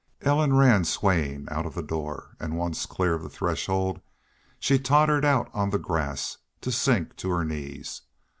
Ellen ran swaying out of the door, and, once clear of the threshold, she tottered out on the grass, to sink to her knees.